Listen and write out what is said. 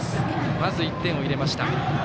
まず１点を入れました。